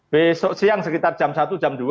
besok siang sekitar jam satu jam dua